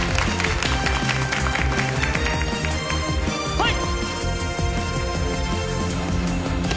はい！